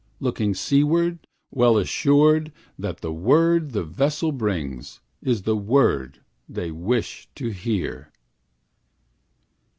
Looking seaward, well assured That the word the vessel brings Is the word they wish to hear.